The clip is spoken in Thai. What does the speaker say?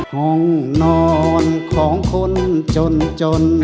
ห้องนอนของคนจนจน